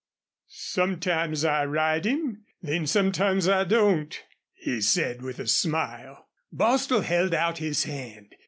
"Sometimes I ride him, then sometimes I don't," he said, with a smile. Bostil held out his hand.